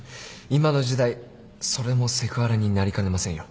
今の時代それもセクハラになりかねませんよ。